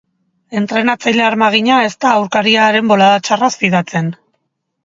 Entrenatzaile armagina ez da aurkariaren bolada txarraz fidatzen.